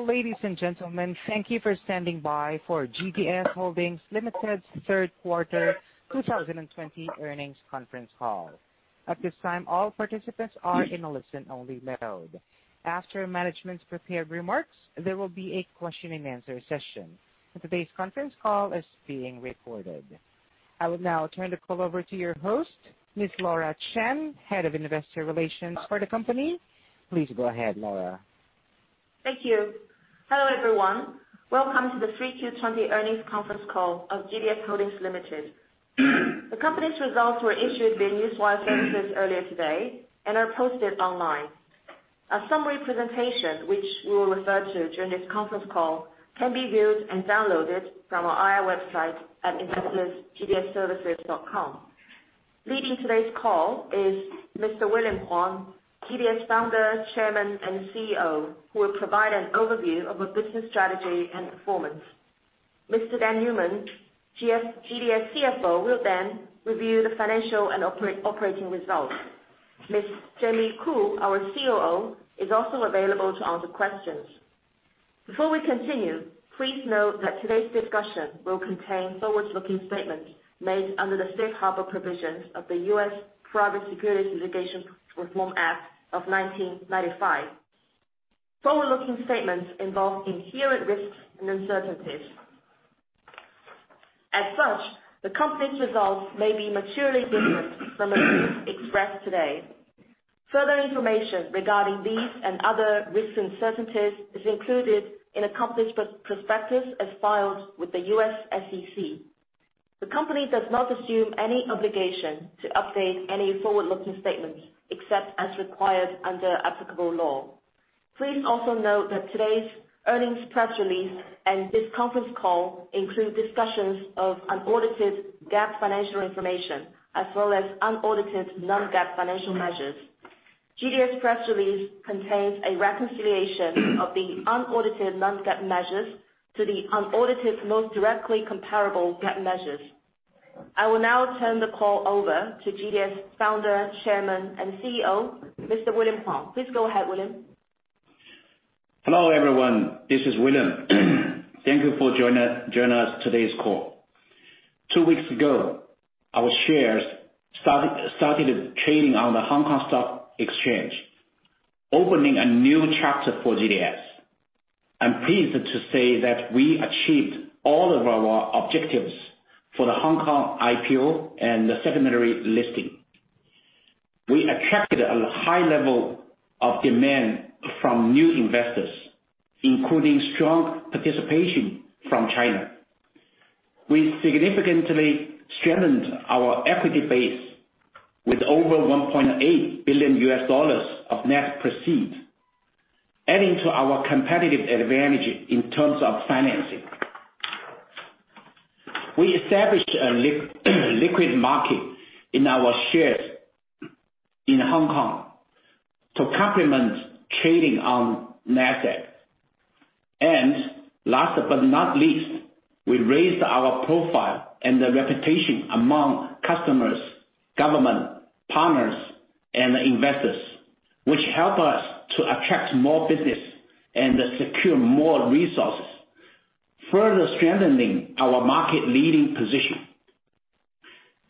Hello, ladies and gentlemen. Thank you for standing by for GDS Holdings Limited's Q3 2020 earnings conference call. At this time, all participants are in a listen-only mode. After management's prepared remarks, there will be a question and answer session. Today's conference call is being recorded. I would now turn the call over to your host, Ms. Laura Chen, Head of Investor Relations for the company. Please go ahead, Laura. Thank you. Hello, everyone. Welcome to the 3Q '20 earnings conference call of GDS Holdings Limited. The company's results were issued via Newswire services earlier today, and are posted online. A summary presentation, which we will refer to during this conference call, can be viewed and downloaded from our IR website at investorsgdsservices.com. Leading today's call is Mr. William Huang, GDS Founder, Chairman, and CEO, who will provide an overview of our business strategy and performance. Mr. Dan Newman, GDS CFO, will then review the financial and operating results. Ms. Jamie Khoo, our COO, is also available to answer questions. Before we continue, please note that today's discussion will contain forward-looking statements made under the Safe Harbor provisions of the U.S. Private Securities Litigation Reform Act of 1995. Forward-looking statements involve inherent risks and uncertainties. As such, the company's results may be materially different from those expressed today. Further information regarding these and other risks and uncertainties is included in the company's prospectus as filed with the U.S. SEC. The company does not assume any obligation to update any forward-looking statements, except as required under applicable law. Please also note that today's earnings press release and this conference call include discussions of unaudited GAAP financial information, as well as unaudited non-GAAP financial measures. GDS press release contains a reconciliation of the unaudited non-GAAP measures to the unaudited most directly comparable GAAP measures. I will now turn the call over to GDS Founder, Chairman, and CEO, Mr. William Huang. Please go ahead, William. Hello, everyone. This is William. Thank you for joining us today's call. Two weeks ago, our shares started trading on the Hong Kong Stock Exchange, opening a new chapter for GDS. I'm pleased to say that we achieved all of our objectives for the Hong Kong IPO and the secondary listing. We attracted a high level of demand from new investors, including strong participation from China. We significantly strengthened our equity base with over $1.8 billion U.S. of net proceeds, adding to our competitive advantage in terms of financing. We established a liquid market in our shares in Hong Kong to complement trading on Nasdaq. Last but not least, we raised our profile and the reputation among customers, government, partners, and investors, which help us to attract more business and secure more resources, further strengthening our market-leading position.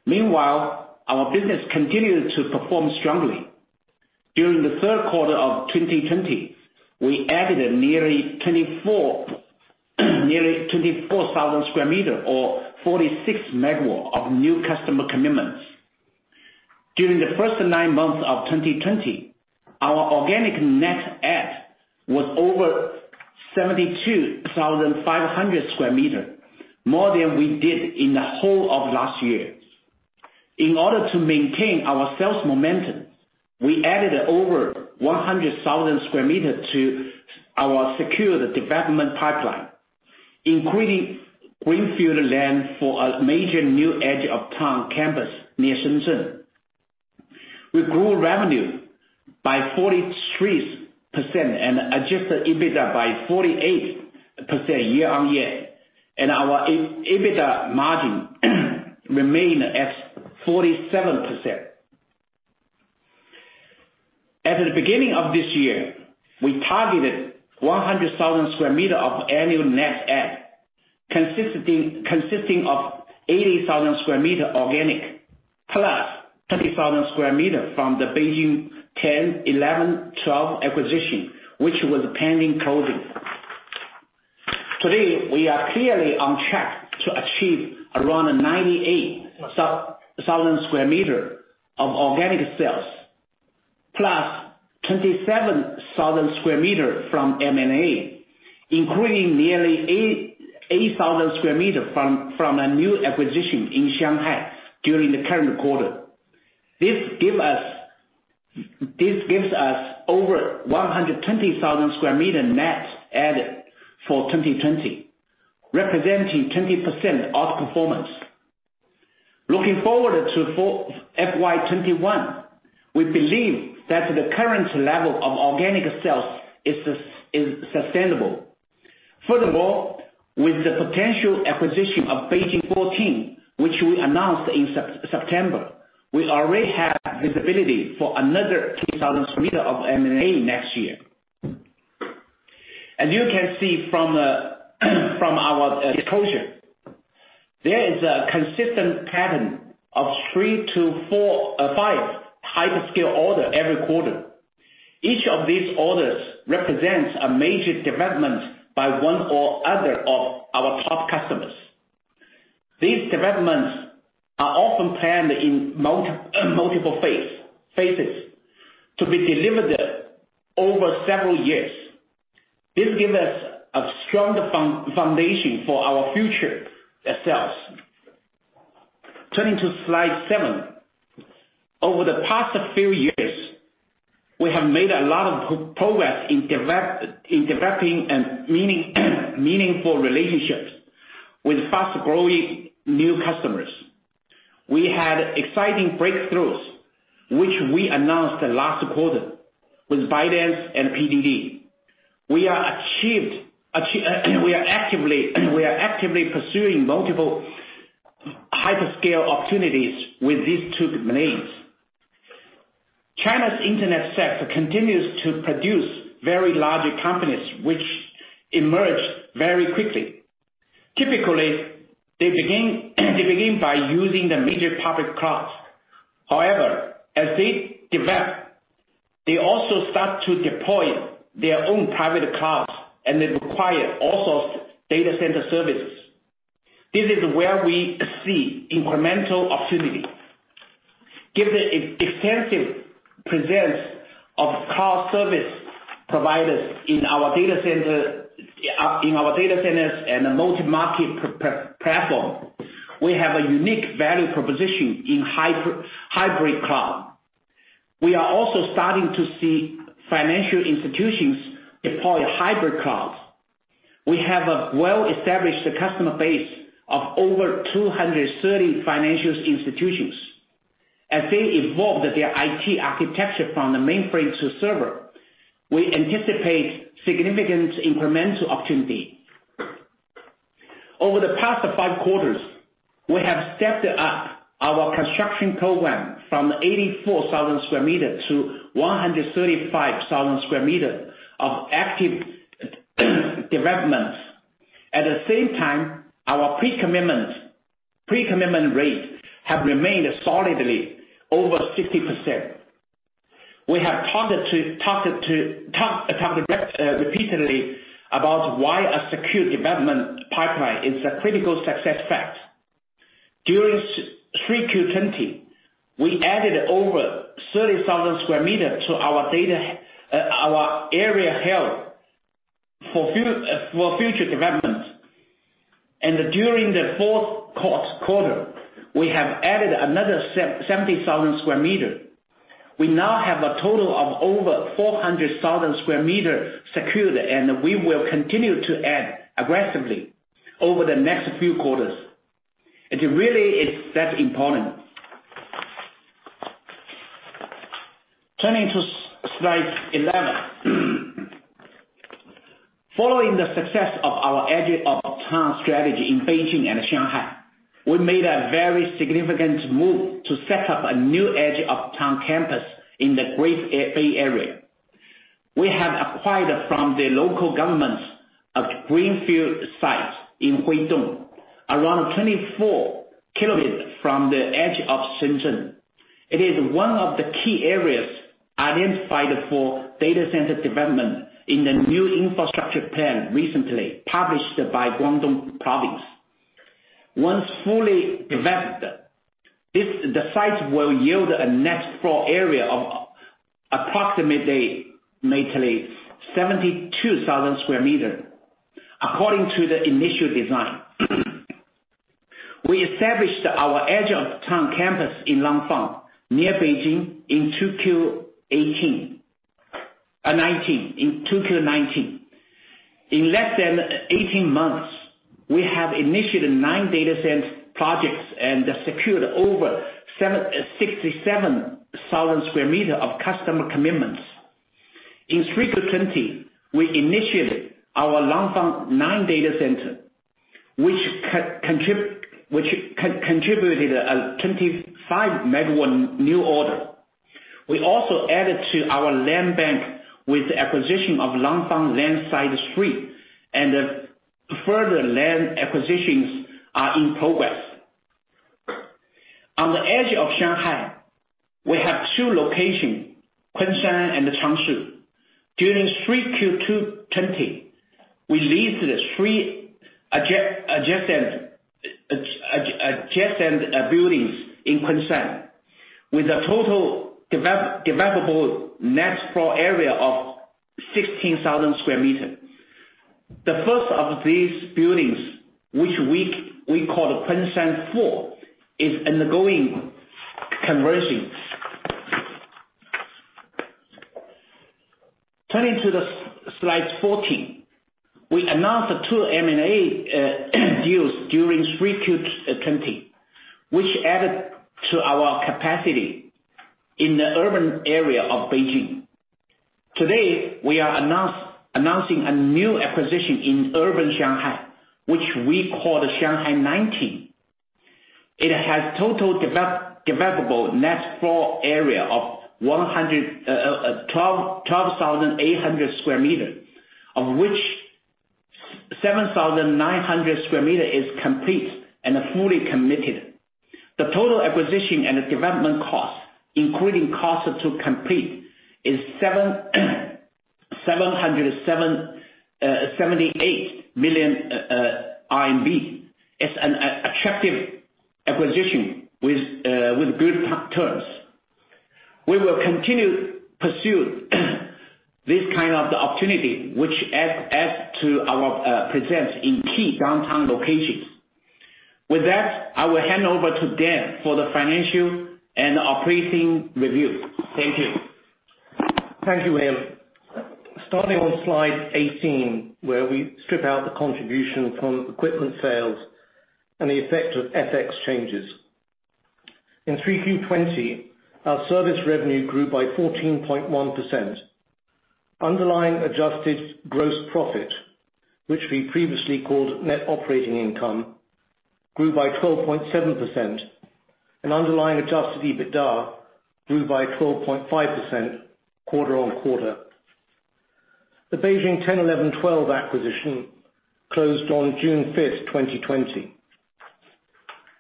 Meanwhile, our business continued to perform strongly. During the Q3 of 2020, we added nearly 24,000 sq m or 46 MW of new customer commitments. During the first nine months of 2020, our organic net add was over 72,500 sq m, more than we did in the whole of last year. In order to maintain our sales momentum, we added over 100,000 sq m to our secured development pipeline, including greenfield land for a major new edge-of-town campus near Shenzhen. We grew revenue by 43% and adjusted EBITDA by 48% year-on-year, and our EBITDA margin remained at 47%. At the beginning of this year, we targeted 100,000 sq m of annual net add, consisting of 80,000 sq m organic, plus 20,000 sq m from the Beijing 10, 11, 12 acquisition, which was pending closing. Today, we are clearly on track to achieve around 98,000 sq m of organic sales, plus 27,000 sq m from M&A, including nearly 8,000 sq m from a new acquisition in Shanghai during the current quarter. This gives us over 120,000 sq m net add for 2020, representing 20% outperformance. Looking forward to FY 2021, we believe that the current level of organic sales is sustainable. Furthermore, with the potential acquisition of Beijing 14, which we announced in September, we already have visibility for another 2,000 sq m of M&A next year. As you can see from our disclosure, there is a consistent pattern of 3-5 hyperscale orders every quarter. Each of these orders represents a major development by one or other of our top customers. These developments are often planned in multiple phases to be delivered over several years. This gives us a strong foundation for our future sales. Turning to slide seven. Over the past few years, we have made a lot of progress in developing and meaningful relationships with fast-growing new customers. We had exciting breakthroughs, which we announced the last quarter with ByteDance and PDD. We are actively pursuing multiple hyperscale opportunities with these two names. China's internet sector continues to produce very large companies, which emerge very quickly. Typically, they begin by using the major public clouds. However, as they develop, they also start to deploy their own private clouds, and they require also data center services. This is where we see incremental opportunity. Given the extensive presence of cloud service providers in our data centers and the multi-market platform, we have a unique value proposition in hybrid cloud. We are also starting to see financial institutions deploy hybrid clouds. We have a well-established customer base of over 230 financial institutions. As they evolve their IT architecture from the mainframe to server, we anticipate significant incremental opportunity. Over the past five quarters, we have stepped up our construction program from 84,000 square meter to 135,000 square meter of active developments. At the same time, our pre-commitment rate have remained solidly over 60%. We have talked repeatedly about why a secure development pipeline is a critical success factor. During 3Q20, we added over 30,000 square meter to our area held for future developments. During the Q4, we have added another 70,000 square meter. We now have a total of over 400,000 square meter secured, and we will continue to add aggressively over the next few quarters. It really is that important. Turning to slide 11. Following the success of our edge-of-town strategy in Beijing and Shanghai, we made a very significant move to set up a new edge-of-town campus in the Greater Bay Area. We have acquired from the local government a greenfield site in Huidong, around 24 km from the edge of Shenzhen. It is one of the key areas identified for data center development in the new infrastructure plan recently published by Guangdong Province. Once fully developed, the site will yield a net floor area of approximately 72,000 sq m according to the initial design. We established our edge of town campus in Langfang, near Beijing, in Q2 '19. In less than 18 months, we have initiated nine data center projects and secured over 67,000 sq m of customer commitments. In Q3 '20, we initiated our Langfang 9 data center, which contributed a 25 MW new order. We also added to our land bank with the acquisition of Langfang Land Side Street, and further land acquisitions are in progress. On the edge of Shanghai, we have two locations, Kunshan and Changshu. During Q3 2020, we leased three adjacent buildings in Kunshan with a total developable net floor area of 16,000 sq m. The first of these buildings, which we call the Kunshan 4, is undergoing conversion. Turning to the slide 14. We announced two M&A deals during Q3 2020, which added to our capacity in the urban area of Beijing. Today, we are announcing a new acquisition in urban Shanghai, which we call the Shanghai 19. It has total developable net floor area of 12,800 sq m, of which 7,900 sq m is complete and fully committed. The total acquisition and development cost, including cost to complete, is 778 million RMB. It's an attractive acquisition with good terms. We will continue to pursue this kind of the opportunity, which adds to our presence in key downtown locations. With that, I will hand over to Dan for the financial and operating review. Thank you. Thank you, William. Starting on slide 18, where we strip out the contribution from equipment sales and the effect of FX changes. In Q3 '20, our service revenue grew by 14.1%. Underlying adjusted gross profit, which we previously called net operating income, grew by 12.7%, and underlying adjusted EBITDA grew by 12.5% quarter-on-quarter. The Beijing 10, 11, and 12 acquisition closed on June 5th, 2020.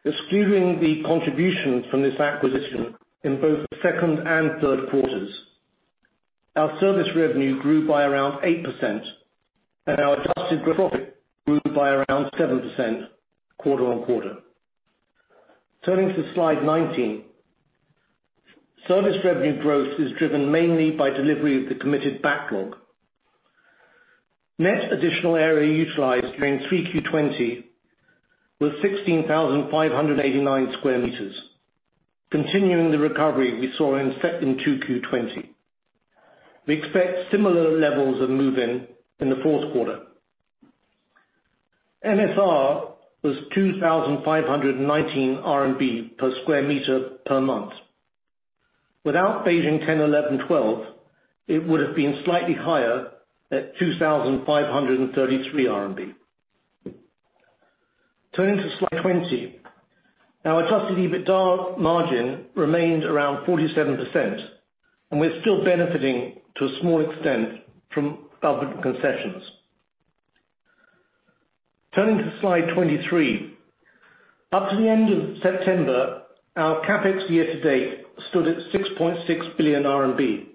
Excluding the contributions from this acquisition in both the second and Q3s, our service revenue grew by around 8%, and our adjusted gross profit grew by around 7% quarter-on-quarter. Turning to slide 19. Service revenue growth is driven mainly by delivery of the committed backlog. Net additional area utilized during Q3 '20 was 16,589 sq m, continuing the recovery we saw in Q2 '20. We expect similar levels of move-in in the Q4. MSR was 2,519 RMB per sq m per month. Without Beijing 10,11,12, it would have been slightly higher at 2,533 RMB. Turning to slide 20. Now, adjusted EBITDA margin remained around 47%, and we're still benefiting to a small extent from government concessions. Turning to slide 23. Up to the end of September, our CapEx year to date stood at 6.6 billion RMB.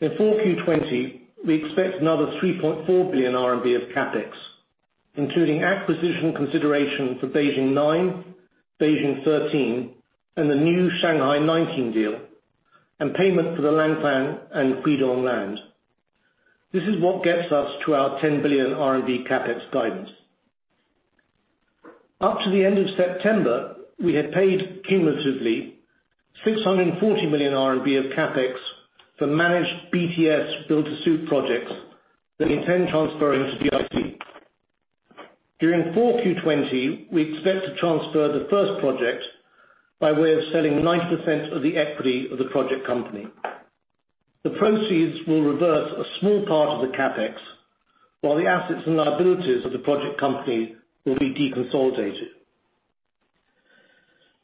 In Q4 '20, we expect another 3.4 billion RMB of CapEx, including acquisition consideration for Beijing 9, Beijing 13, and the new Shanghai 19 deal, and payment for the Langfang and Huidong land. This is what gets us to our 10 billion RMB CapEx guidance. Up to the end of September, we had paid cumulatively 640 million RMB of CapEx for managed BTS build to suit projects that we intend transferring to GIC. During Q4 '20, we expect to transfer the first project by way of selling 90% of the equity of the project company. The proceeds will revert a small part of the CapEx, while the assets and liabilities of the project company will be deconsolidated.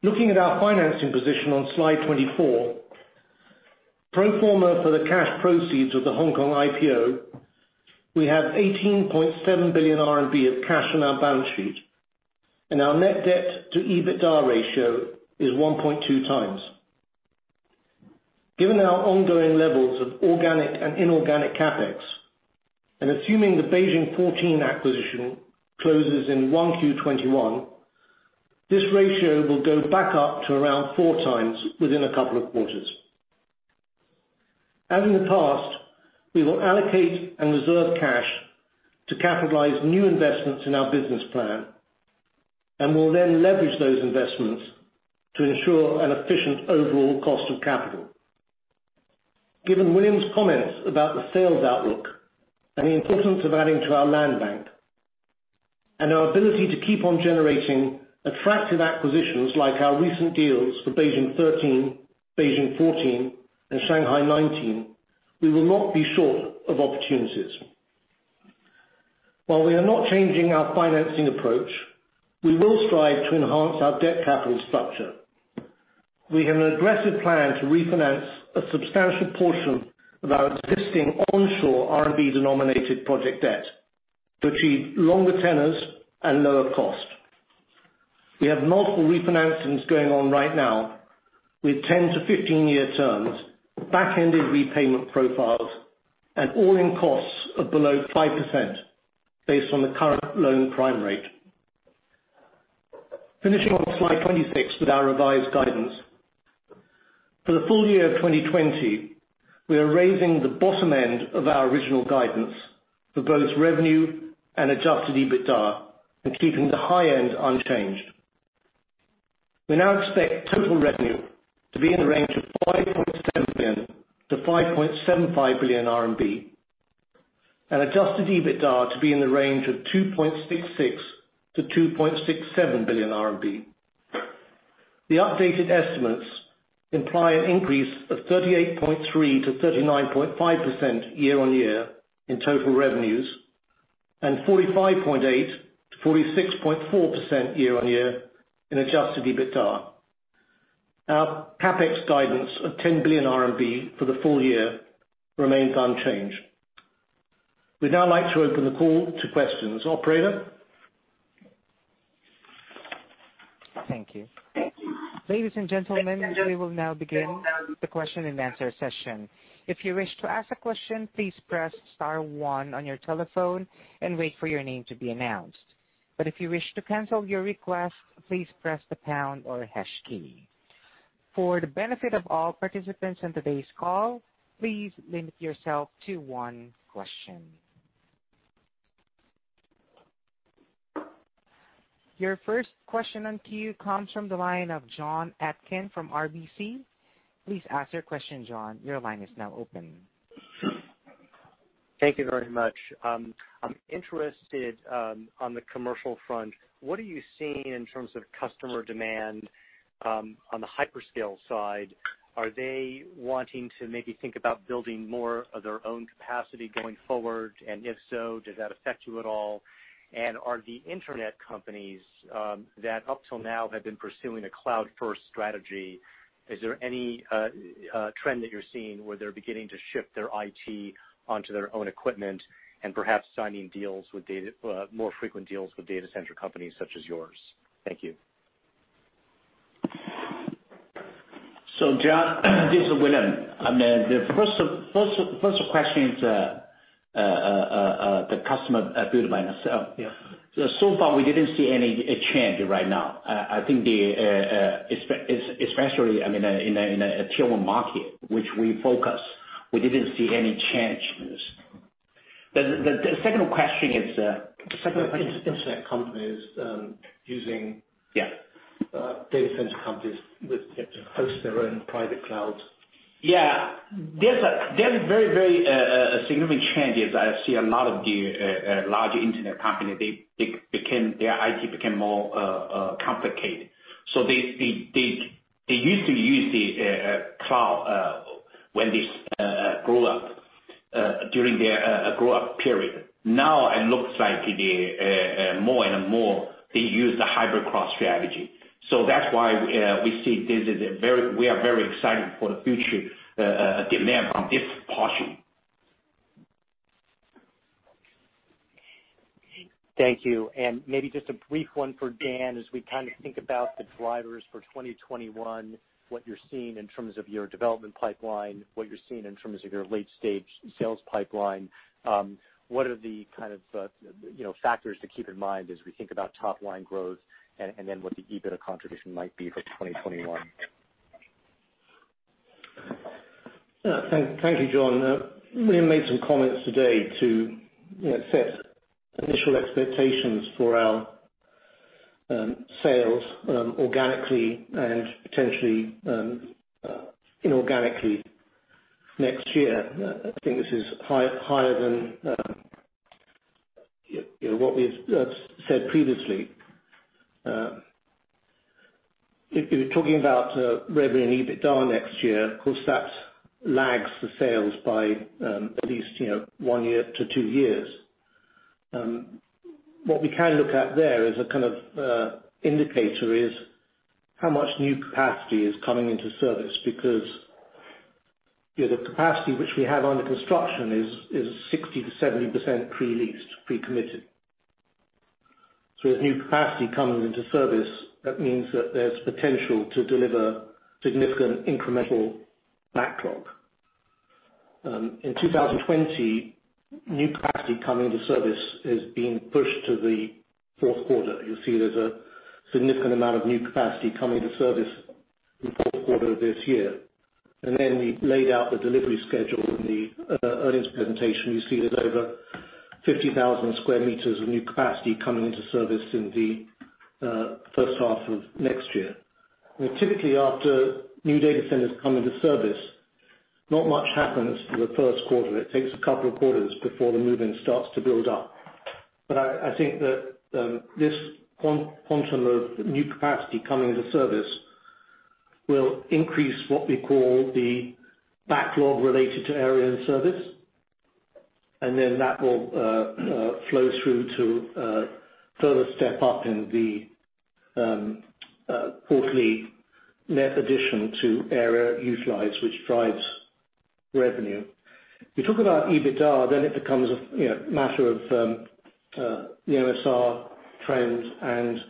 Looking at our financing position on Slide 24. Pro forma for the cash proceeds of the Hong Kong IPO, we have 18.7 billion RMB of cash on our balance sheet, and our net debt to EBITDA ratio is 1.2 times. Given our ongoing levels of organic and inorganic CapEx, and assuming the Beijing 14 acquisition closes in Q1 2021, this ratio will go back up to around four times within a couple of quarters. As in the past, we will allocate and reserve cash to capitalize new investments in our business plan, and will then leverage those investments to ensure an efficient overall cost of capital. Given William's comments about the sales outlook and the importance of adding to our land bank, and our ability to keep on generating attractive acquisitions like our recent deals for Beijing 13, Beijing 14, and Shanghai 19, we will not be short of opportunities. While we are not changing our financing approach, we will strive to enhance our debt capital structure. We have an aggressive plan to refinance a substantial portion of our existing onshore RMB-denominated project debt to achieve longer tenors and lower cost. We have multiple refinancings going on right now with 10-15-year terms, back-ended repayment profiles, and all-in costs of below 5% based on the current loan prime rate. Finishing on slide 26 with our revised guidance. For the full year of 2020, we are raising the bottom end of our original guidance for both revenue and adjusted EBITDA and keeping the high end unchanged. We now expect total revenue to be in the range of 5.7 billion-5.75 billion RMB. Adjusted EBITDA to be in the range of 2.66 billion-2.67 billion RMB. The updated estimates imply an increase of 38.3%-39.5% year-on-year in total revenues, and 45.8%-46.4% year-on-year in adjusted EBITDA. Our CapEx guidance of 10 billion RMB for the full year remains unchanged. We'd now like to open the call to questions. Operator? Thank you. Ladies and gentlemen, we will now begin the question and answer session. If you wish to ask a question, please press star one on your telephone and wait for your name to be announced. If you wish to cancel your request, please press the pound or hash key. For the benefit of all participants on today's call, please limit yourself to one question. Your first question on queue comes from the line of Jon Atkin from RBC. Please ask your question, Jon. Your line is now open. Thank you very much. I'm interested on the commercial front, what are you seeing in terms of customer demand on the hyperscale side? Are they wanting to maybe think about building more of their own capacity going forward? If so, does that affect you at all? Are the internet companies that up till now have been pursuing a cloud-first strategy, is there any trend that you're seeing where they're beginning to shift their IT onto their own equipment and perhaps signing more frequent deals with data center companies such as yours? Thank you. Jon, this is William. The first question is the customer build by themselves. Yeah. Far we didn't see any change right now. I think especially in a Tier 1 market, which we focus, we didn't see any change in this. The second question is? Internet companies. Yeah data center companies to host their own private clouds. Yeah. There's very significant changes. I see a lot of the larger internet company, their IT became more complicated. They used to use the cloud when they grew up, during their grow-up period. Now it looks like more and more they use the hybrid cloud strategy. That's why we are very excited for the future demand on this portion. Thank you. Maybe just a brief one for Dan, as we think about the drivers for 2021, what you're seeing in terms of your development pipeline, what you're seeing in terms of your late-stage sales pipeline. What are the factors to keep in mind as we think about top line growth, and then what the EBITDA contribution might be for 2021? Thank you, Jon. William made some comments today to set initial expectations for our sales organically and potentially inorganically next year. I think this is higher than what we've said previously. If you're talking about revenue and EBITDA next year, of course that lags the sales by at least one year to two years. What we can look at there as a kind of indicator is how much new capacity is coming into service, because the capacity which we have under construction is 60%-70% pre-leased, pre-committed. As new capacity comes into service, that means that there's potential to deliver significant incremental backlog. In 2020, new capacity coming into service is being pushed to the Q4. You'll see there's a significant amount of new capacity coming to service in the Q4 of this year. We laid out the delivery schedule in the earnings presentation. You see there's over 50,000 sq m of new capacity coming into service in the H1 of next year. Typically, after new data centers come into service, not much happens for the Q1. It takes a couple of quarters before the move-in starts to build up. I think that this quantum of new capacity coming into service will increase what we call the backlog related to area in service. That will flow through to a further step up in the quarterly net addition to area utilized, which drives revenue. If you talk about EBITDA, then it becomes a matter of the MSR trends and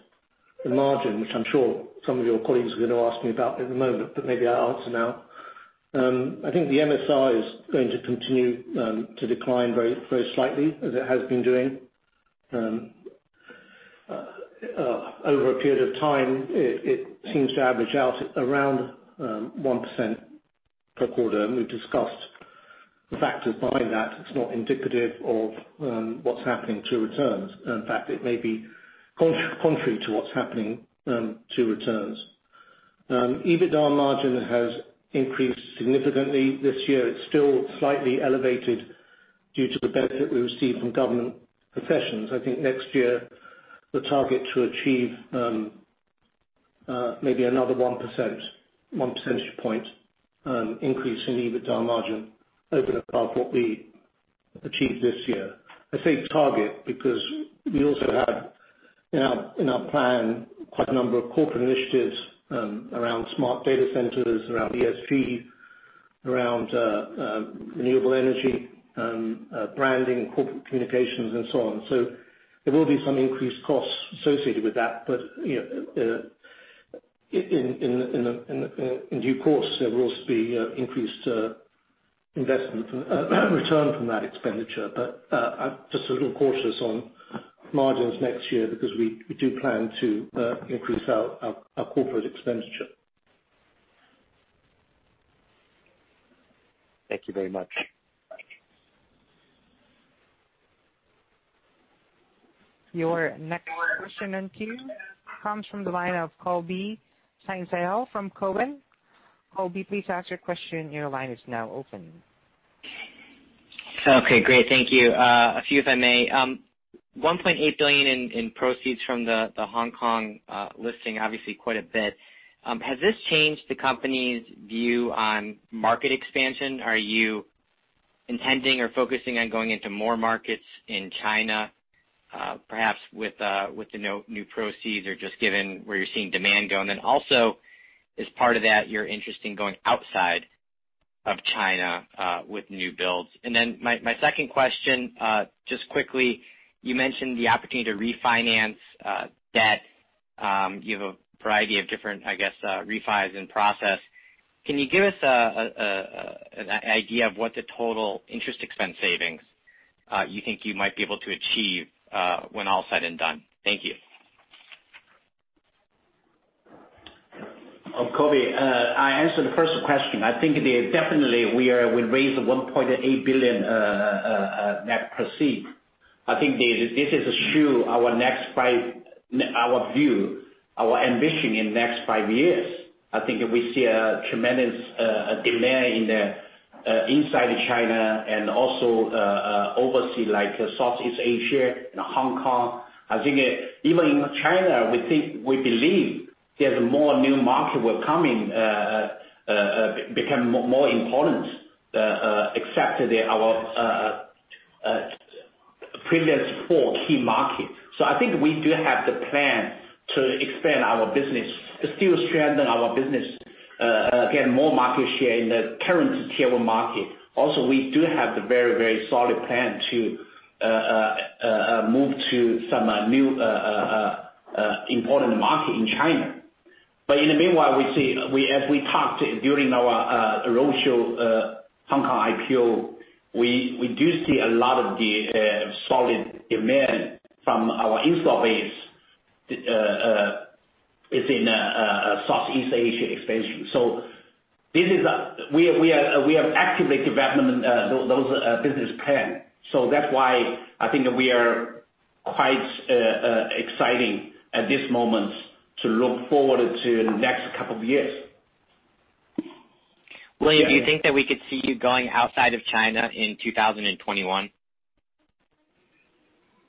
the margin, which I'm sure some of your colleagues are going to ask me about in a moment, but maybe I'll answer now. I think the MSR is going to continue to decline very slightly as it has been doing. Over a period of time, it seems to average out around 1% per quarter, and we've discussed the factors behind that. It's not indicative of what's happening to returns. In fact, it may be contrary to what's happening to returns. EBITDA margin has increased significantly this year. It's still slightly elevated due to the benefit we receive from government concessions. I think next year, the target to achieve maybe another one percentage point increase in EBITDA margin over and above what we achieved this year. I say target because we also have, in our plan, quite a number of corporate initiatives around smart data centers, around ESG, around renewable energy, branding, corporate communications, and so on. There will be some increased costs associated with that. In due course, there will also be increased return from that expenditure. I'm just a little cautious on margins next year because we do plan to increase our capital expenditure. Thank you very much. Your next question in queue comes from the line of Colby Synesael from Cowen. Colby, please ask your question. Your line is now open. Okay, great. Thank you. A few, if I may. $1.8 billion in proceeds from the Hong Kong listing, obviously quite a bit. Has this changed the company's view on market expansion? Are you intending or focusing on going into more markets in China? Perhaps with the new proceeds or just given where you're seeing demand go. Also, as part of that, you're interested in going outside of China with new builds. My second question, just quickly, you mentioned the opportunity to refinance debt. You have a variety of different refis in process. Can you give us an idea of what the total interest expense savings you think you might be able to achieve when all is said and done? Thank you. Colby, I answer the first question. I think definitely, we raised $1.8 billion net proceeds. I think this is to show our view, our ambition in next five years. I think we see a tremendous demand inside China and also overseas like Southeast Asia and Hong Kong. I think even in China, we believe there's more new market will come in, become more important, except our previous four key markets. I think we do have the plan to expand our business, to still strengthen our business, get more market share in the current Tier 1 market. Also, we do have the very solid plan to move to some new important market in China. In the meanwhile, as we talked during our roadshow Hong Kong IPO, we do see a lot of the solid demand from our install base. It's in Southeast Asia expansion. We have activated development those business plan. That's why I think we are quite excited at this moment to look forward to the next couple of years. William, do you think that we could see you going outside of China in 2021?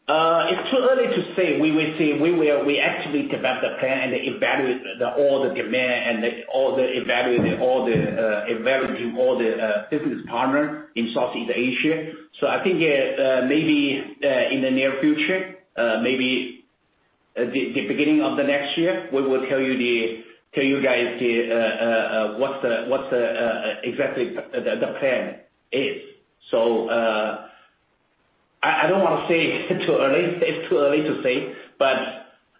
It's too early to say. We will see. We activate development plan and evaluate all the demand and evaluating all the business partners in Southeast Asia. I think maybe in the near future, maybe the beginning of the next year, we will tell you guys what exactly the plan is. I don't want to say it's too early to say, but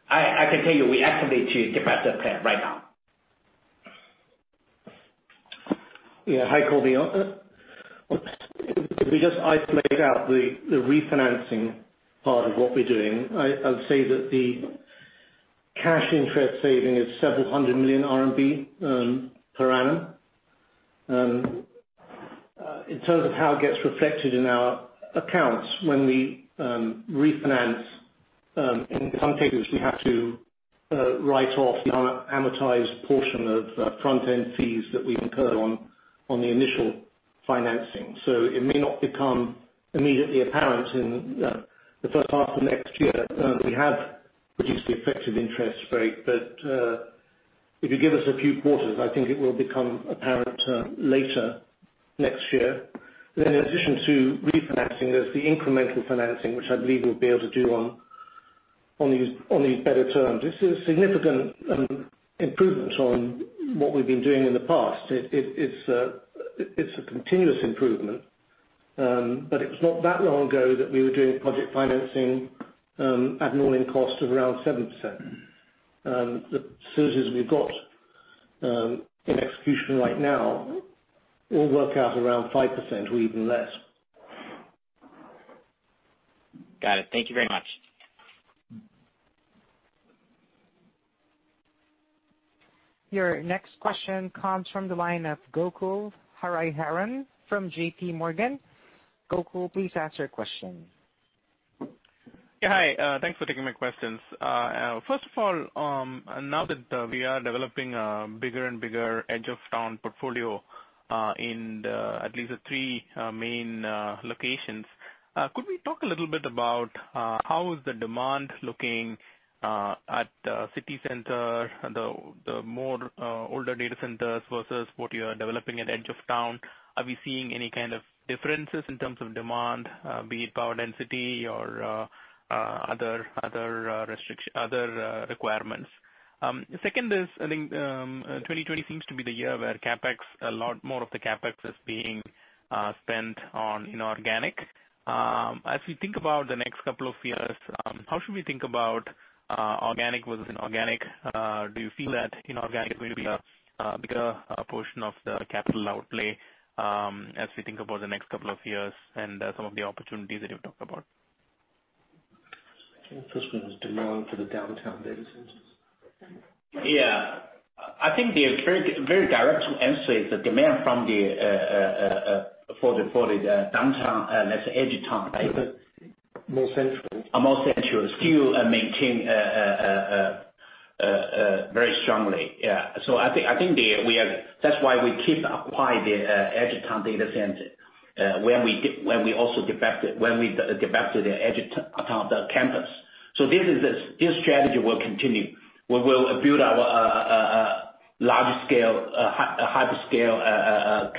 I can tell you we activate to develop the plan right now. Hi, Colby. If we just isolate out the refinancing part of what we're doing, I would say that the cash interest saving is several hundred million RMB per annum. In terms of how it gets reflected in our accounts, when we refinance, in some cases, we have to write off an amortized portion of front-end fees that we incurred on the initial financing. It may not become immediately apparent in the H1 of next year that we have reduced the effective interest rate. If you give us a few quarters, I think it will become apparent later next year. In addition to refinancing, there's the incremental financing, which I believe we'll be able to do on these better terms. This is a significant improvement on what we've been doing in the past. It's a continuous improvement. It's not that long ago that we were doing project financing at an all-in cost of around 7%. The facilities we've got in execution right now all work out around 5% or even less. Got it. Thank you very much. Your next question comes from the line of Gokul Hariharan from J.P. Morgan. Gokul, please ask your question. Yeah, hi. Thanks for taking my questions. First of all, now that we are developing a bigger and bigger edge of town portfolio in at least the three main locations, could we talk a little bit about how is the demand looking at the city center, the older data centers, versus what you are developing at edge of town? Are we seeing any kind of differences in terms of demand, be it power density or other requirements? Second is, I think 2020 seems to be the year where a lot more of the CapEx is being spent on inorganic. As we think about the next couple of years, how should we think about organic versus inorganic? Do you feel that inorganic is going to be a bigger portion of the capital outlay, as we think about the next couple of years and some of the opportunities that you've talked about? I think the first one is demand for the downtown data centers. Yeah. I think the very direct answer is the demand from the downtown, let's say edge of town, right? More central. More central. Still maintain very strongly, yeah. I think that's why we keep acquiring the edge of town data center, when we develop the edge of town campus. This strategy will continue. We will build our large scale, hyper scale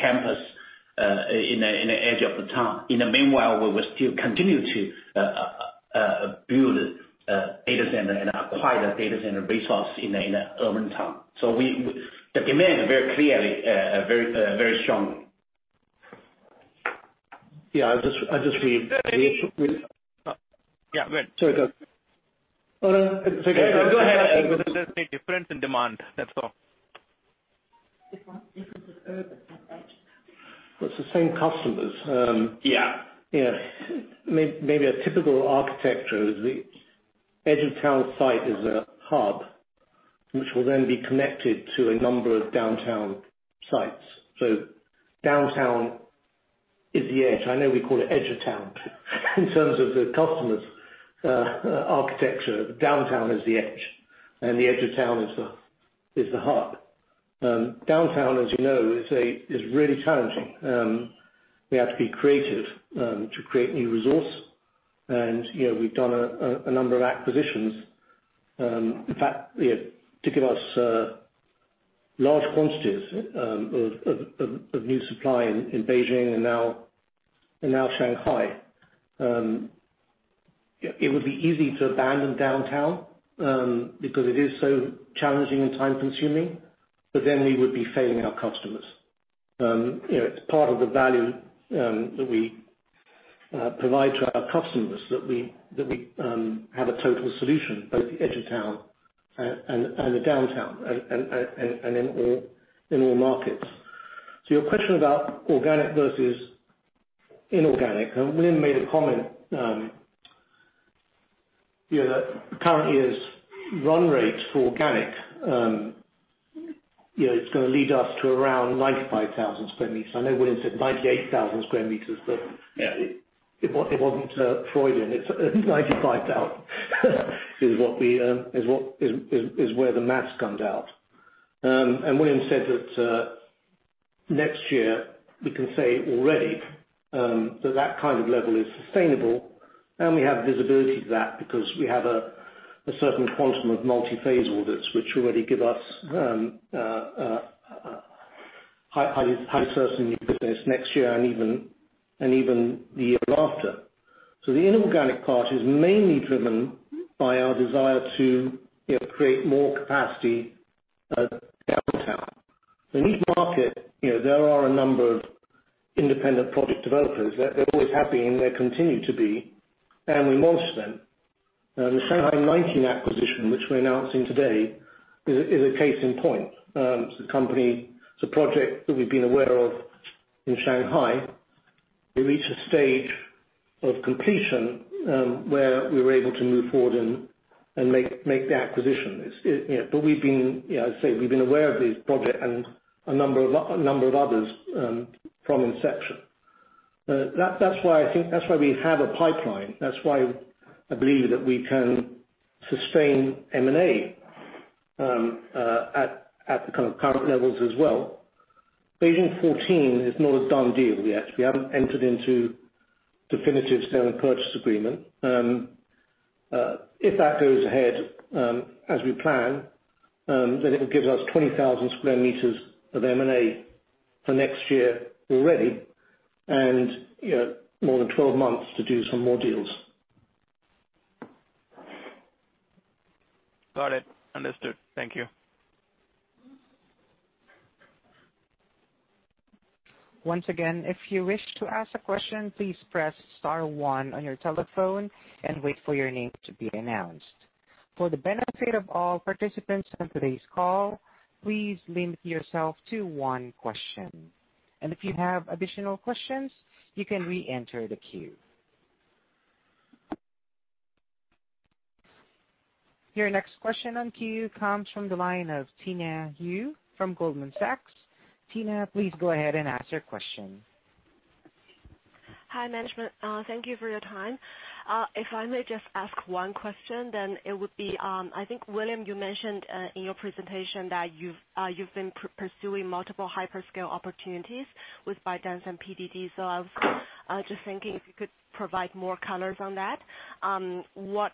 campus in the edge of the town. In the meanwhile, we will still continue to build data center and acquire the data center resource in the urban town. The demand very clearly very strong. Yeah, I just read- Yeah, go ahead. Sorry, go ahead. Oh, no. It's okay. Go ahead. There is no difference in demand. That is all. Difference is urban, I think. Well, it's the same customers. Yeah. A typical architecture is the edge of town site is a hub, which will then be connected to a number of downtown sites. Downtown is the edge. I know we call it edge of town. In terms of the customers' architecture, downtown is the edge and the edge of town is the hub. Downtown, as you know, is really challenging. We have to be creative to create new resource and we've done a number of acquisitions, in fact, to give us large quantities of new supply in Beijing and now Shanghai. It would be easy to abandon downtown, because it is so challenging and time-consuming, but then we would be failing our customers. It's part of the value that we provide to our customers, that we have a total solution, both the edge of town and the downtown, and in all markets. Your question about organic versus inorganic, and William made a comment, that currently his run rate for organic, it's going to lead us to around 95,000 sq m. I know William said 98,000 sq m. Yeah It wasn't Freudian. 95,000 is where the math comes out. William said that next year we can say already that that kind of level is sustainable, and we have visibility to that because we have a certain quantum of multi-phase orders which already give us high certainty of business next year and even the year after. The inorganic part is mainly driven by our desire to create more capacity downtown. In each market, there are a number of independent project developers. There always have been, there continue to be, and we watch them. The Shanghai 19 acquisition, which we're announcing today, is a case in point. It's a project that we've been aware of in Shanghai. We reached a stage of completion where we were able to move forward and make the acquisition. As I say, we have been aware of this project and a number of others from inception. That's why we have a pipeline. That's why I believe that we can sustain M&A at the kind of current levels as well. Beijing 14 is not a done deal yet. We haven't entered into definitive sale and purchase agreement. If that goes ahead, as we plan, then it gives us 20,000 sq m of M&A for next year already and more than 12 months to do some more deals. Got it. Understood. Thank you. Once again, if you wish to ask a question, please press star one on your telephone and wait for your name to be announced. For the benefit of all participants on today's call, please limit yourself to one question. If you have additional questions, you can re-enter the queue. Your next question on queue comes from the line of Tina Yu from Goldman Sachs. Tina, please go ahead and ask your question. Hi, management. Thank you for your time. If I may just ask one question, then it would be, I think, William, you mentioned in your presentation that you've been pursuing multiple hyperscale opportunities with ByteDance and Pinduoduo. I was just thinking if you could provide more colors on that. What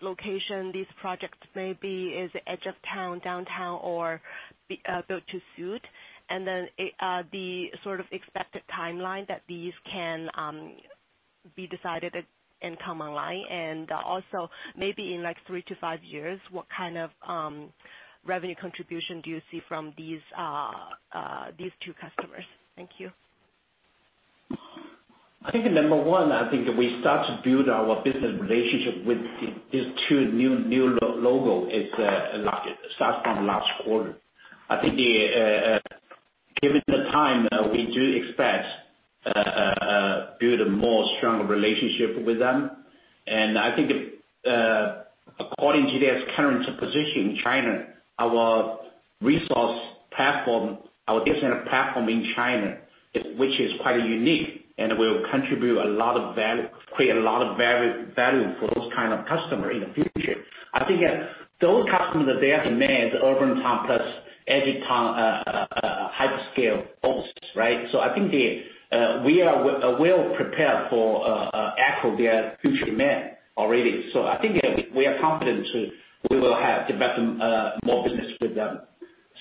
location these projects may be, is it edge of town, downtown, or built to suit? The sort of expected timeline that these can be decided and come online and also maybe in three to five years, what kind of revenue contribution do you see from these two customers? Thank you. I think number one, we start to build our business relationship with these two new logo. It starts from last quarter. I think given the time, we do expect build a more stronger relationship with them. I think according to their current position in China, our resource platform, our data center platform in China, which is quite unique and will create a lot of value for those kind of customer in the future. I think those customers, they have demand urban town plus edge of town hyperscale offices, right? I think we are well prepared for echo their future demand already. I think we are confident we will have developed more business with them.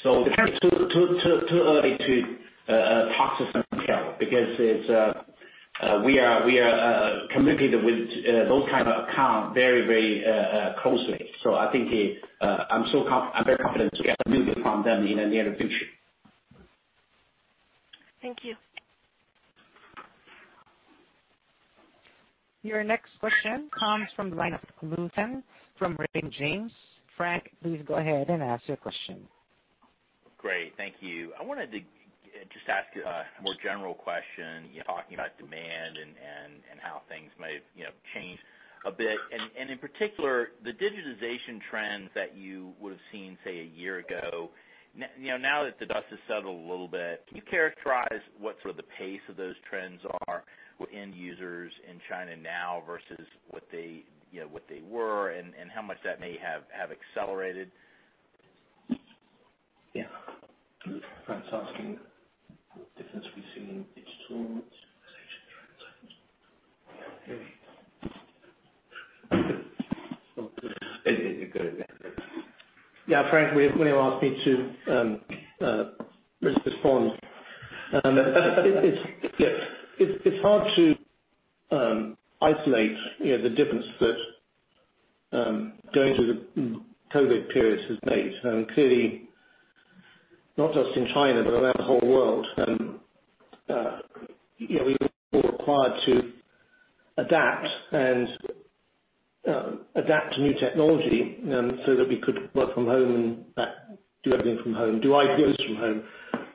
It's too early to talk to some account, because we are committed with those kind of account very closely. I think I'm very confident we have new demand from them in the near future. Thank you. Your next question comes from the line of Frank Louthan from Raymond James. Frank, please go ahead and ask your question. Great. Thank you. I wanted to just ask a more general question, talking about demand and how things may have changed a bit, and in particular, the digitization trends that you would've seen, say, a year ago. Now that the dust has settled a little bit, can you characterize what sort of the pace of those trends are with end users in China now versus what they were and how much that may have accelerated? Yeah. Frank's asking difference we've seen in digitalization trends. You go ahead. Yeah. Frank, William asked me to respond. It's hard to isolate the difference that going through the COVID periods has made. Clearly, not just in China, but around the whole world, we were all required to adapt and adapt to new technology so that we could work from home and do everything from home, do IT from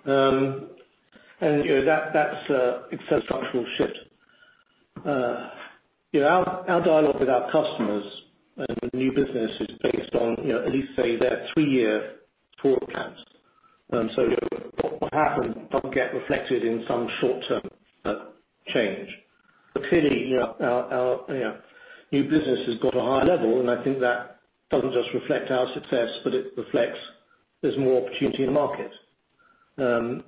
home. That's a structural shift. Our dialogue with our customers and new business is based on at least say their three-year forecast. What happened doesn't get reflected in some short-term change. Clearly, our new business has got a higher level, and I think that doesn't just reflect our success, but it reflects there's more opportunity in the market.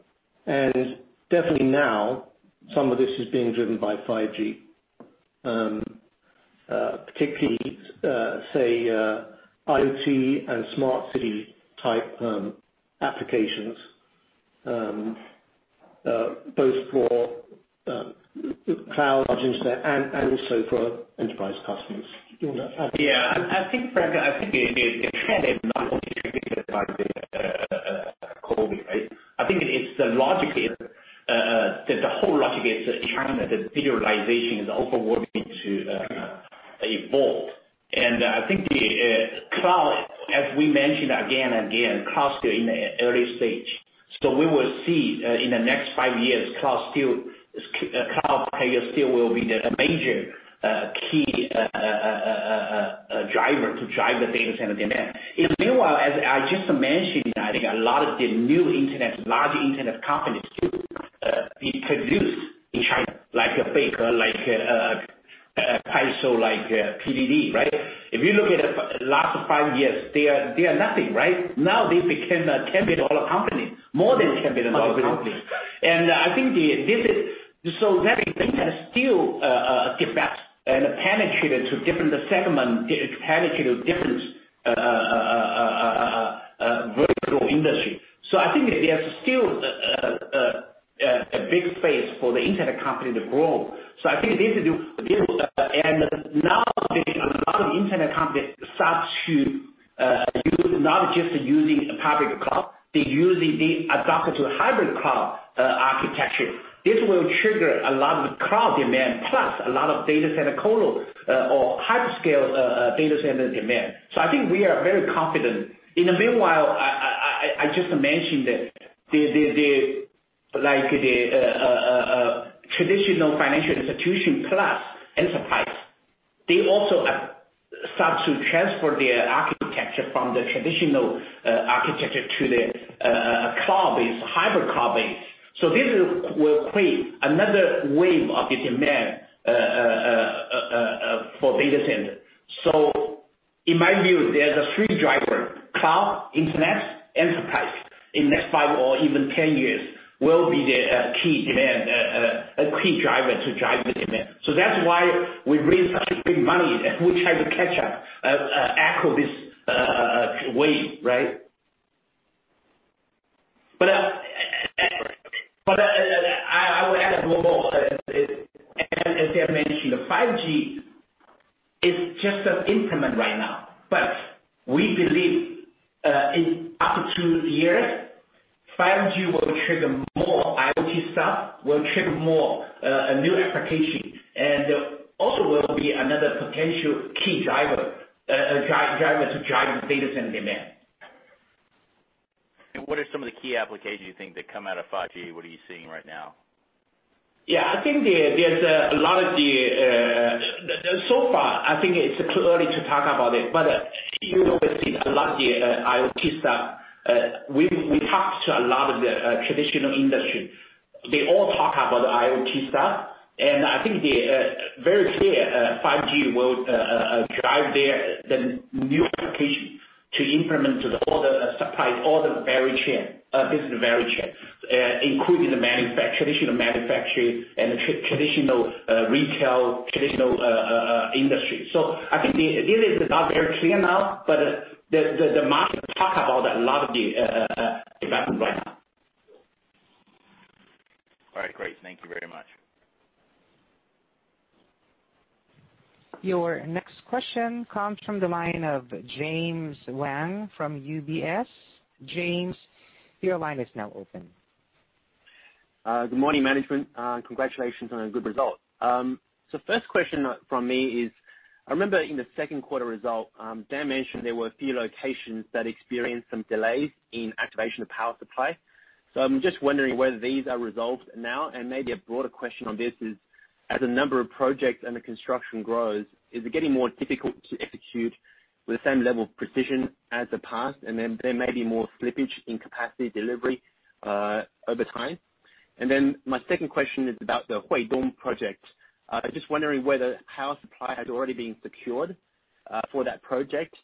Definitely now some of this is being driven by 5G. Particularly, say, IoT and smart city-type applications, both for cloud, large internet, and also for enterprise customers. Do you want to add? Frank, I think the trend is not only driven by the COVID, right? I think the whole logic is China, the digitalization is overworking to evolve. I think the cloud, as we mentioned again and again, cloud is still in the early stage. We will see in the next five years, cloud players still will be the major key driver to drive the data center demand. In the meanwhile, as I just mentioned, I think a lot of the new large Internet companies too introduced in China, like a Baidu, like a Bilibili, like a Pinduoduo, right? If you look at last five years, they are nothing, right? Now they became a capital company, more than capital company. I think they can still get back and penetrate into different segment, penetrate different vertical industry. I think there's still a big space for the internet company to grow. I think and now a lot of internet companies start to use not just using a public cloud. They adopt to a hybrid cloud architecture. This will trigger a lot of cloud demand, plus a lot of data center colo or hyperscale data center demand. I think we are very confident. In the meanwhile, I just mentioned this. Like the traditional financial institution plus enterprise. They also have started to transfer their architecture from the traditional architecture to the cloud base, hybrid cloud base. This will create another wave of the demand for data center. In my view, there's three drivers, cloud, internet, enterprise. In the next five or even 10 years will be the key driver to drive the demand. That's why we raised such big money that we try to catch up, echo this wave, right? I would add one more. As Dan mentioned, 5G is just an implement right now. We believe in up to two years, 5G will trigger more IoT stuff, will trigger more new applications, and also will be another potential key driver to drive the data center demand. What are some of the key applications you think that come out of 5G? What are you seeing right now? So far I think it's too early to talk about it, but you always see a lot the IoT stuff. We talked to a lot of the traditional industry. They all talk about the IoT stuff, and I think they are very clear 5G will drive the new application to implement to all the supply, all the value chain business, including the traditional manufacturing and traditional retail, traditional industry. I think the idea is not very clear now, but the market talk about a lot of the development right now. All right, great. Thank you very much. Your next question comes from the line of James Wang from UBS. James, your line is now open. Good morning, management. Congratulations on a good result. First question from me is, I remember in the Q2 result, Dan mentioned there were a few locations that experienced some delays in activation of power supply. I'm just wondering whether these are resolved now. Maybe a broader question on this is, as the number of projects and the construction grows, is it getting more difficult to execute with the same level of precision as the past? There may be more slippage in capacity delivery over time? My second question is about the Huidong project. I'm just wondering whether power supply has already been secured for that project.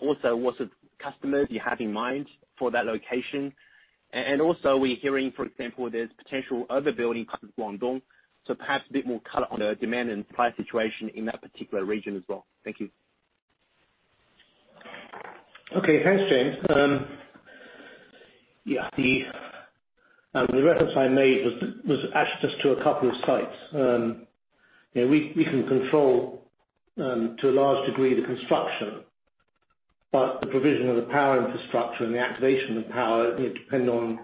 What customers you have in mind for that location. Also we're hearing, for example, there's potential overbuilding parts of Guangdong, so perhaps a bit more color on the demand and supply situation in that particular region as well. Thank you. Okay. Thanks, James. The reference I made was actually just to a couple of sites. We can control, to a large degree, the construction, but the provision of the power infrastructure and the activation of power depend on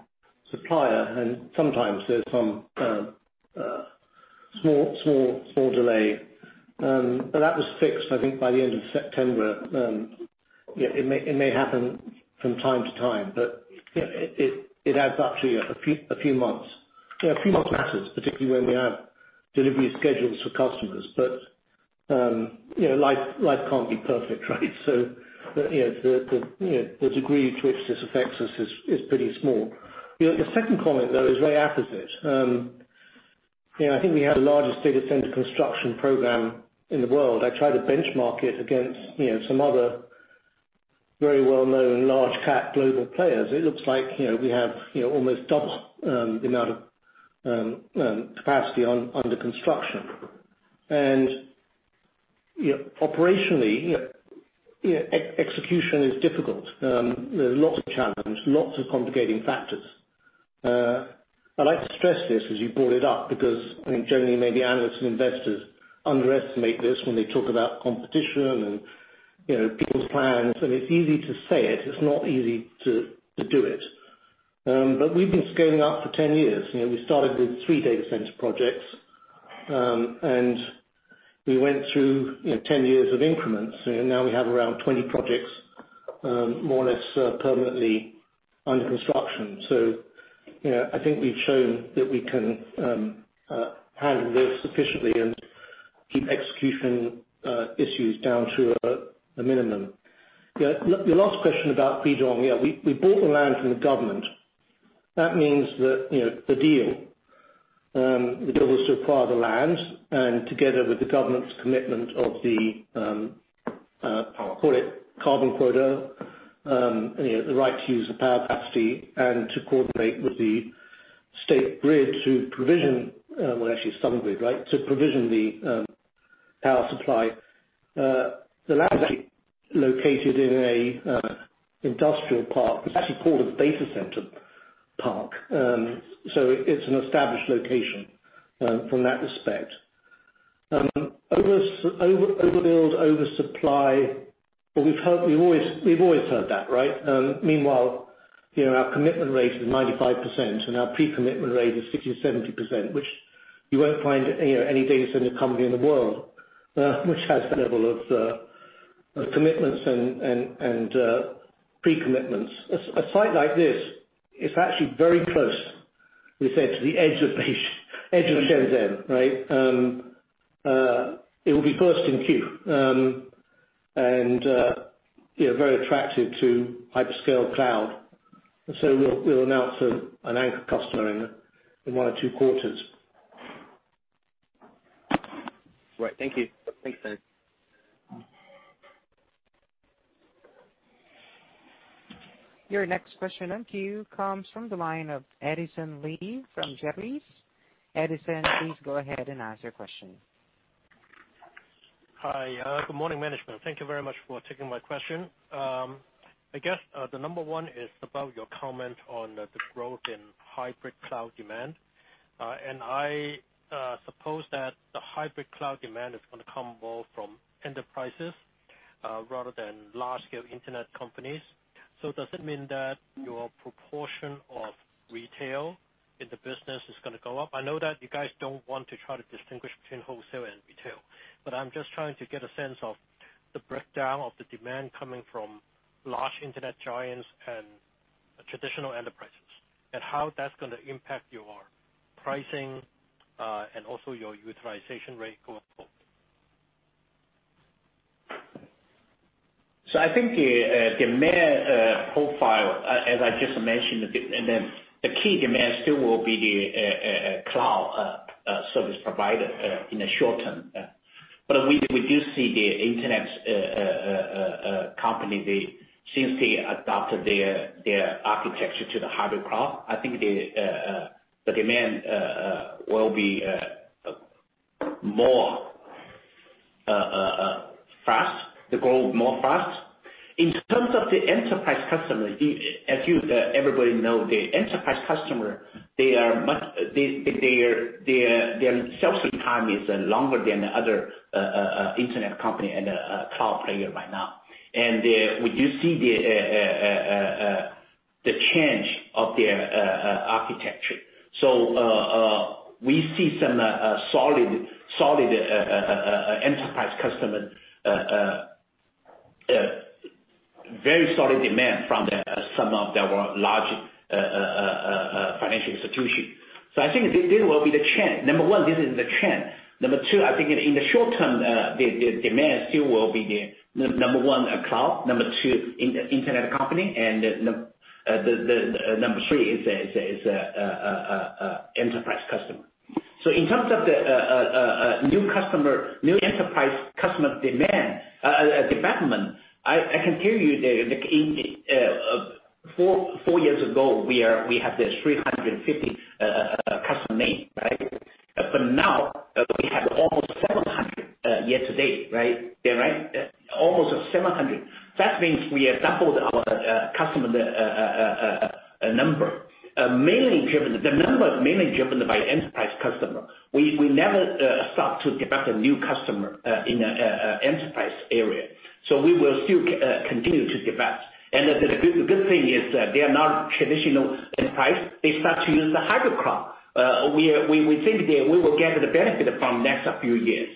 supplier and sometimes there's some small delay. That was fixed, I think by the end of September. It may happen from time to time, but it adds up to a few months matters, particularly when we have delivery schedules for customers. Life can't be perfect, right? The degree to which this affects us is pretty small. The second comment, though, is way opposite. I think we have the largest data center construction program in the world. I try to benchmark it against some other very well-known large-cap global players. It looks like we have almost double the amount of capacity under construction. Operationally, execution is difficult. There are lots of challenges, lots of complicating factors. I'd like to stress this as you brought it up, because I think generally maybe analysts and investors underestimate this when they talk about competition and people's plans. It's easy to say it. It's not easy to do it. We've been scaling up for 10 years. We started with three data center projects, and we went through 10 years of increments. Now we have around 20 projects, more or less permanently under construction. I think we've shown that we can handle this sufficiently and keep execution issues down to a minimum. The last question about Huidong. We bought the land from the government. That means that the deal was to acquire the land together with the government's commitment of the, call it carbon quota, the right to use the power capacity and to coordinate with the State Grid to provision the power supply. The land is located in an industrial park. It's actually called a data center park. It's an established location from that respect. Overbuild, oversupply. We've always heard that, right? Meanwhile our commitment rate is 95% and our pre-commitment rate is 60%-70%, which you won't find any data center company in the world which has the level of commitments and pre-commitments. A site like this is actually very close, we said, to the edge of Shenzhen, right? It will be first in queue. Very attractive to hyperscale cloud. We'll announce an anchor customer in one or two quarters. Right. Thank you. Thanks, Dan. Your next question in queue comes from the line of Edison Lee from Jefferies. Edison, please go ahead and ask your question. Hi. Good morning, management. Thank you very much for taking my question. I guess the number 1 is about your comment on the growth in hybrid cloud demand. I suppose that the hybrid cloud demand is going to come more from enterprises rather than large-scale internet companies. Does it mean that your proportion of retail in the business is going to go up? I know that you guys don't want to try to distinguish between wholesale and retail. I'm just trying to get a sense of the breakdown of the demand coming from large internet giants and traditional enterprises, and how that's going to impact your pricing, and also your utilization rate going forward. I think the demand profile, as I just mentioned a bit, and then the key demand still will be the cloud service provider in the short term. We do see the internet company, since they adopted their architecture to the hybrid cloud. I think the demand will be more fast, the growth more fast. In terms of the enterprise customer, as everybody know, the enterprise customer, their sales time is longer than the other internet company and cloud player by now. We do see the change of their architecture. We see some very solid demand from some of our large financial institutions. I think, number one, this is the trend. Number two, I think in the short term the demand still will be number one, cloud, number two, internet company, and number three is enterprise customer. In terms of the new enterprise customer's demand development, I can tell you that four years ago, we had 350 customer names, right? Now we have almost 700 year-to-date, right? Almost 700. That means we have doubled our customer number. The number is mainly driven by enterprise customer. We never stopped to get a new customer in an enterprise area. We will still continue to get that. The good thing is they are now traditional enterprise. They start to use the hybrid cloud. We think we will get the benefit from next few years.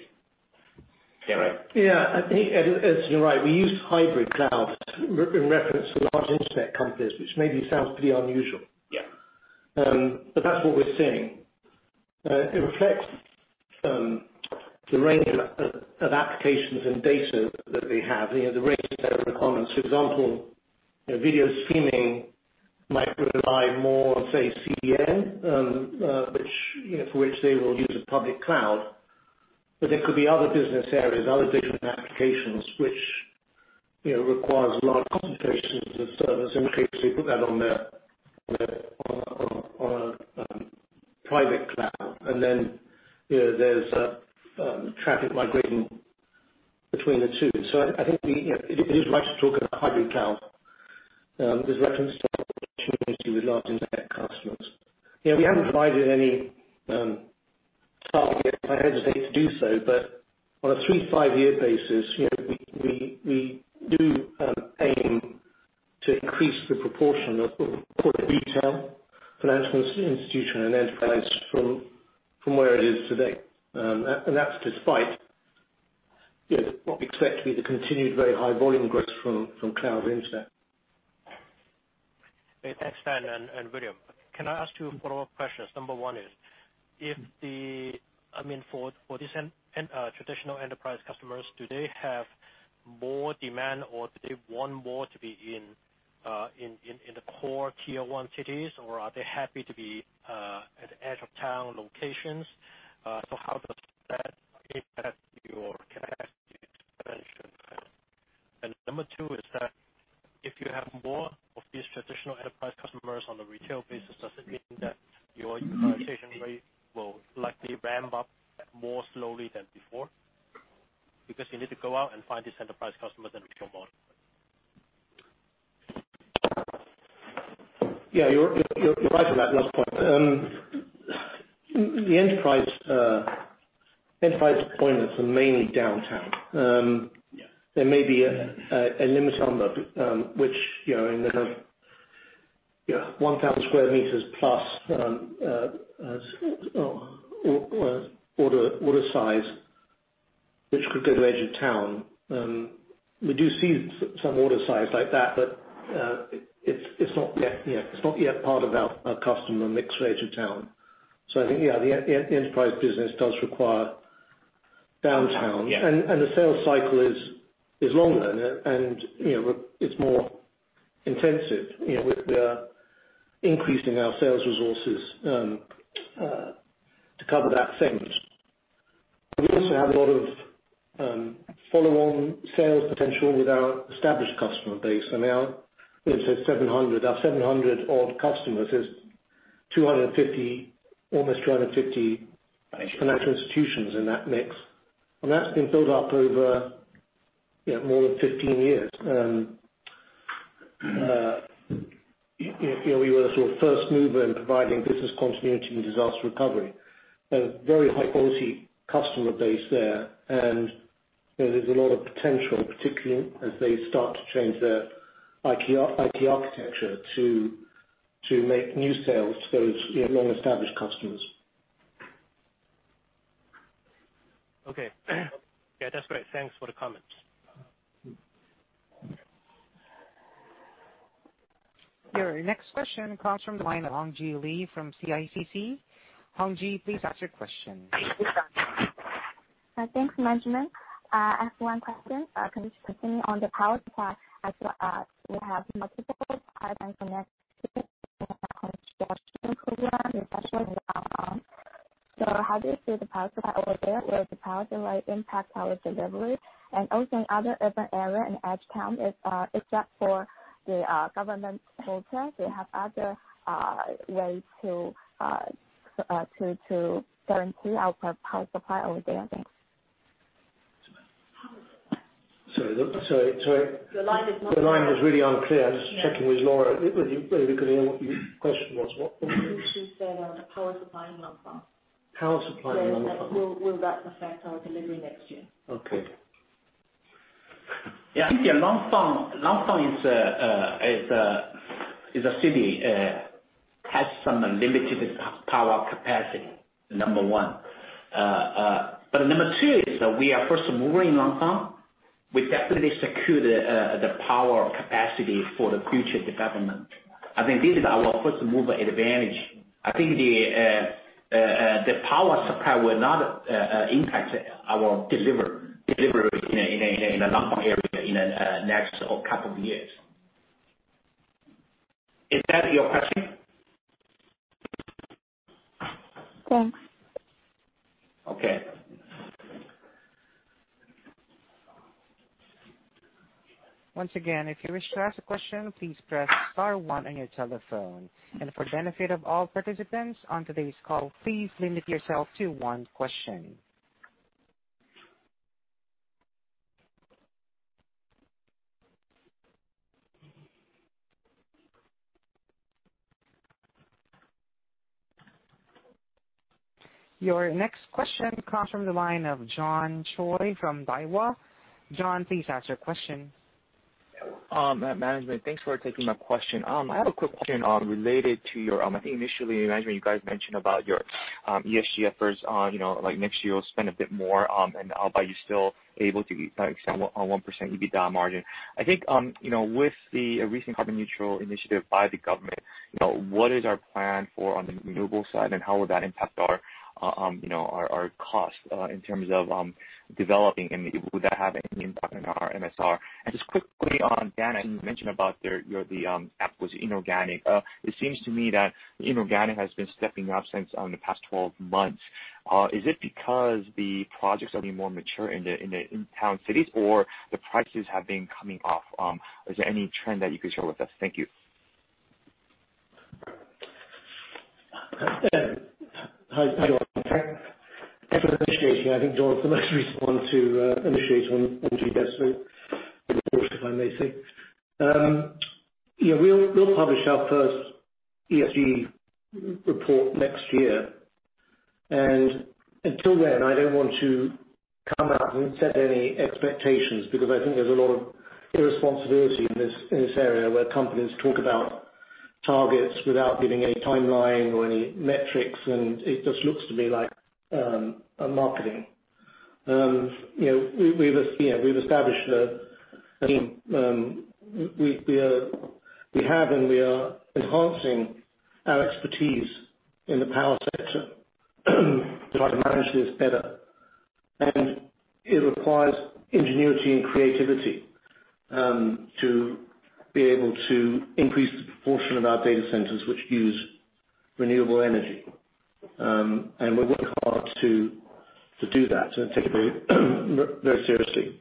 Yeah, right. Yeah. I think Edison, you're right. We use hybrid cloud in reference to large internet companies, which maybe sounds pretty unusual. Yeah. That's what we're seeing. It reflects the range of applications and data that they have, the range of their requirements. For example, video streaming might rely more on, say, CDN, for which they will use a public cloud. There could be other business areas, other different applications, which requires a large concentration of the servers. In which case they put that on a private cloud. Then there's traffic migrating between the two. I think it is right to talk about hybrid cloud as reference to opportunity with large internet customers. We haven't provided any targets. I hesitate to do so, on a three to five-year basis we do aim to increase the proportion of core retail, financial institution, and enterprise from where it is today. That's despite what we expect to be the continued very high volume growth from cloud internet. Thanks, Dan and William. Can I ask two follow-up questions? Number one is, for these traditional enterprise customers, do they have more demand or do they want more to be in the core tier 1 cities or are they happy to be at edge of town locations? How does that impact your capacity expansion plan? Number two is that if you have more of these traditional enterprise customers on a retail basis, does it mean that your utilization rate will likely ramp up more slowly than before? You need to go out and find these enterprise customers and retail model. Yeah, you're right on that last point. The enterprise deployments are mainly downtown. Yeah. There may be a limit on that. Yeah. 1,000 sq m plus order size, which could go to edge of town. We do see some order size like that, but it's not yet part of our customer mix range of town. I think, yeah, the enterprise business does require downtown. Yeah. The sales cycle is longer and it's more intensive with the increase in our sales resources to cover that segment. We also have a lot of follow-on sales potential with our established customer base and our, let's say, 700 odd customers is almost 250 financial institutions in that mix. That's been built up over more than 15 years. We were the first mover in providing business continuity and disaster recovery. A very high-quality customer base there, and there's a lot of potential, particularly as they start to change their IT architecture to make new sales to those long-established customers. Okay. Yeah, that is great. Thanks for the comments. Your next question comes from the line of Hong Ji Lee from CICC. Hong Ji, please ask your question. Thanks, management. I ask one question. Continuing on the power supply, as you asked, we have multiple pipeline connects construction program, especially in Longkou. How do you see the power supply over there? Will the power supply impact our delivery? In other urban area in edge town, except for the government hotel, they have other ways to guarantee our power supply over there, I think. Sorry. Look, sorry. The line is not clear. The line is really unclear. I was checking with Laura. Could you repeat the question once more? I think she said on power supply in Longkou. Power supply in Longkou. Will that affect our delivery next year? Okay. Yeah. I think Longkou is a city, has some limited power capacity, number one. Number two is that we are first mover in Longkou. We definitely secured the power capacity for the future development. I think this is our first-mover advantage. I think the power supply will not impact our delivery in the Longkou area in the next or couple of years. Is that your question? Thanks. Okay. Once again, if you wish to ask a question, please press star one on your telephone. For the benefit of all participants on today's call, please limit yourself to one question. Your next question comes from the line of John Choi from Daiwa. John, please ask your question. Management, thanks for taking my question. I have a quick question. I think initially, management, you guys mentioned about your ESG efforts. Like next year, you'll spend a bit more, and are you still able to extend on 1% EBITDA margin? I think, with the recent carbon neutral initiative by the government, what is our plan for on the renewable side, and how will that impact our costs in terms of developing and would that have any impact on our MSR? Just quickly on, Dan, as you mentioned about the acquisition inorganic. It seems to me that inorganic has been stepping up since the past 12 months. Is it because the projects are being more mature in town cities or the prices have been coming off? Is there any trend that you could share with us? Thank you. Hi, John. Thanks for initiating. I think John's the most recent one to initiate on GDS report, if I may say. We'll publish our first ESG report next year. Until then, I don't want to come out and set any expectations because I think there's a lot of irresponsibility in this area where companies talk about targets without giving a timeline or any metrics, and it just looks to me like marketing. We've established a team. We have and we are enhancing our expertise in the power sector to try to manage this better. It requires ingenuity and creativity, to be able to increase the proportion of our data centers which use renewable energy. We work hard to do that and take it very seriously.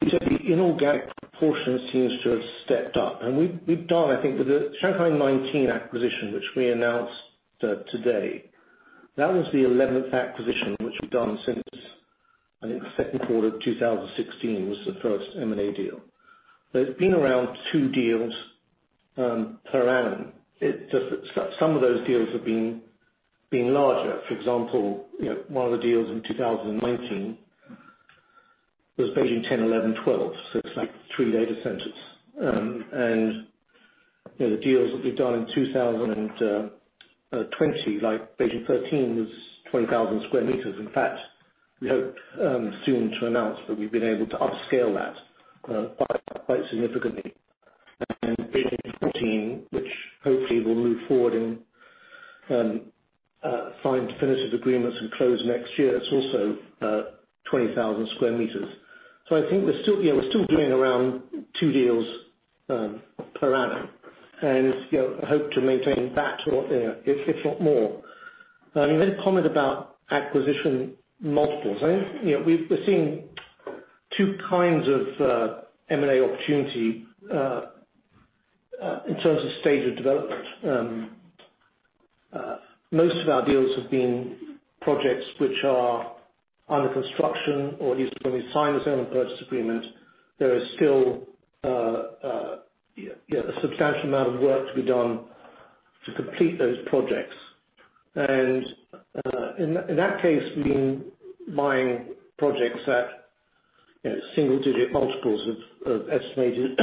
You said the inorganic proportion seems to have stepped up. We've done, I think with the Shanghai 19 acquisition, which we announced today. That was the 11th acquisition which we've done since, I think the Q2 of 2016 was the first M&A deal. It's been around two deals per annum. Some of those deals have been larger. For example, one of the deals in 2019 was Beijing 10, 11, and 12, so it's like three data centers. The deals that we've done in 2020, like Beijing 13, was 20,000 sq m. In fact, we hope soon to announce that we've been able to upscale that quite significantly. Beijing 14, which hopefully will move forward and sign definitive agreements and close next year, is also 20,000 sq m. I think we're still doing around two deals per annum and hope to maintain that if not more. Let me comment about acquisition multiples. We're seeing two kinds of M&A opportunity in terms of stage of development. Most of our deals have been projects which are under construction, or at least when we sign the sale and purchase agreement, there is still a substantial amount of work to be done to complete those projects. In that case, we've been buying projects at single-digit multiples of estimated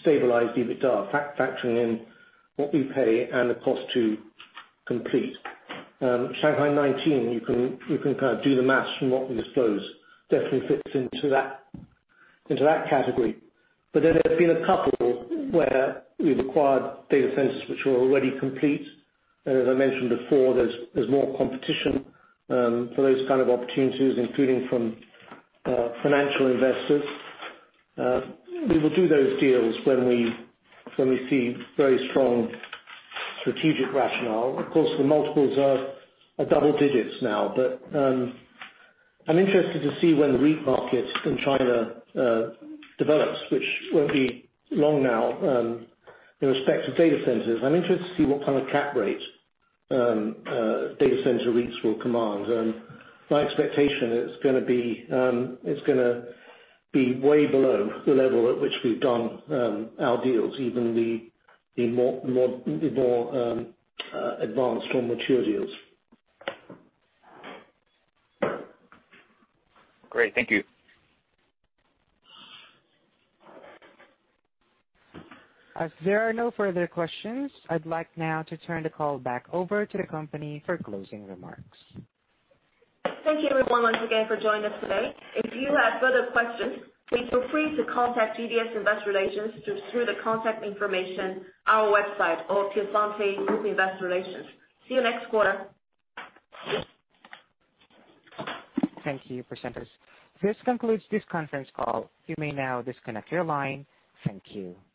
stabilized EBITDA, factoring in what we pay and the cost to complete. Shanghai 19, you can do the math from what we disclose, definitely fits into that category. There's been a couple where we've acquired data centers which were already complete. As I mentioned before, there's more competition for those kind of opportunities, including from financial investors. We will do those deals when we see very strong strategic rationale. Of course, the multiples are double digits now. I'm interested to see when the REIT market in China develops, which won't be long now, in respect to data centers. I'm interested to see what kind of cap rate data center REITs will command. My expectation is it's going to be way below the level at which we've done our deals, even the more advanced or mature deals. Great. Thank you. As there are no further questions, I'd like now to turn the call back over to the company for closing remarks. Thank you everyone once again for joining us today. If you have further questions, please feel free to contact GDS Investor Relations through the contact information on our website or through Fontaine Group Investor Relations. See you next quarter. Thank you, presenters. This concludes this conference call. You may now disconnect your line. Thank you.